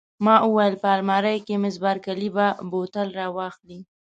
ما وویل: په المارۍ کې، مس بارکلي به بوتل را واخلي.